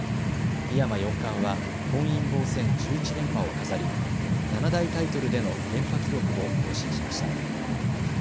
井山四冠は本因坊戦１１連覇を飾り七大タイトルでの連覇記録も更新しました。